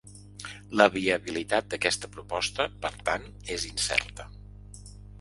La viabilitat d’aquesta proposta, per tant, és incerta.